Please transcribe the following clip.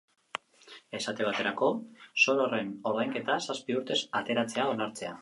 Esate baterako, zor horren ordainketa zazpi urtez atzeratzea onartzea.